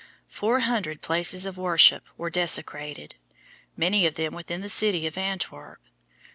Four hundred places of worship were desecrated, many of them within the city of Antwerp.